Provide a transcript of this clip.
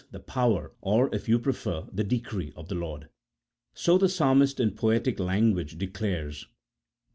the power, or, if you prefer, the decree of the Lord. So the Psalmist in poetic language declares, xxxiii.